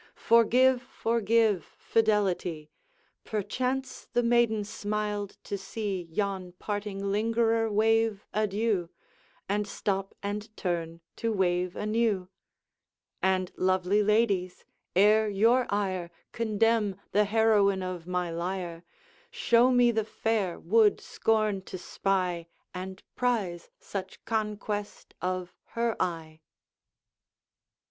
Forgive, forgive, Fidelity! Perchance the maiden smiled to see Yon parting lingerer wave adieu, And stop and turn to wave anew; And, lovely ladies, ere your ire Condemn the heroine of my lyre, Show me the fair would scorn to spy And prize such conquest of her eve!